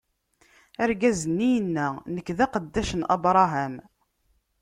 Argaz-nni yenna: Nekk, d aqeddac n Abṛaham.